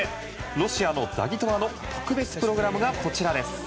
ロシアのザギトワの特別プログラムがこちらです。